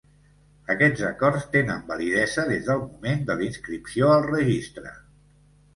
Aquests acords tenen validesa des del moment de la inscripció al Registre.